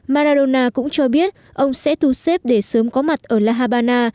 maradona cũng cho biết ông sẽ thu xếp để sớm có mặt ở la habana